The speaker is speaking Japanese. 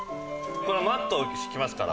このマットを敷きますから。